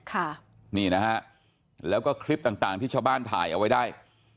ค่ะนี่นะฮะแล้วก็คลิปต่างต่างที่ชาวบ้านถ่ายเอาไว้ได้